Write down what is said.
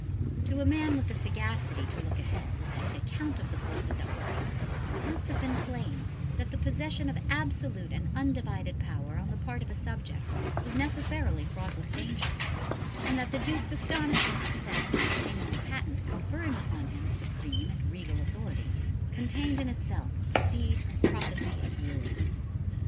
To a man with the sagacity to look ahead and take account of the forces at work, it must have been plain that the possession of absolute and undivided power on the part of a subject was necessarily fraught with danger, and that the Duke's astonishing success in obtaining the patent conferring upon him supreme and regal authority contained in itself the seed and prophecy of ruin.